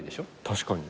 確かに。